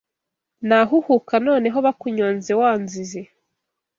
Nahuhuka noneho Bakunyonze wanzize